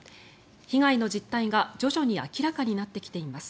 被害の実態が、徐々に明らかになってきています。